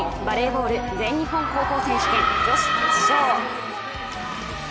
バレーボール全日本高校選手権女子決勝。